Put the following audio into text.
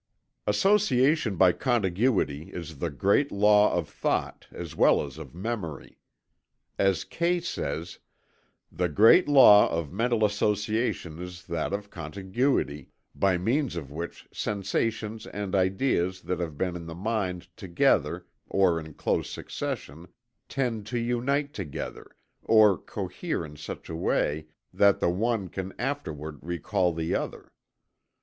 Association by contiguity is the great law of thought, as well as of memory. As Kay says: "The great law of mental association is that of contiguity, by means of which sensations and ideas that have been in the mind together or in close succession, tend to unite together, or cohere in such a way that the one can afterward recall the other.